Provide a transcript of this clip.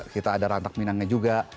kita ada rantakminangnya juga